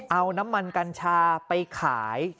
เอาน้ำมันกัญชาไปขาย